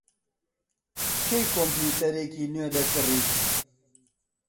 کەی کۆمپیوتەرێکی نوێ دەکڕیت؟